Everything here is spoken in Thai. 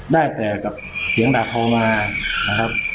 ได้แต่กับเสียงด่าทอมานะครับ